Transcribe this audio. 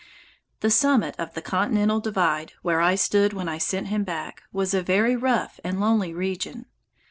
The summit of the Continental Divide, where I stood when I sent him back, was a very rough and lonely region.